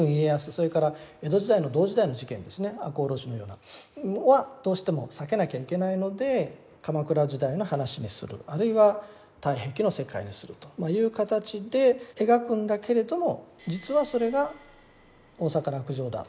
それから江戸時代の同時代の事件ですね赤穂浪士のようなのはどうしても避けなきゃいけないので鎌倉時代の話にするあるいは「太平記」の世界にするという形で描くんだけれども実はそれが「大坂落城だ」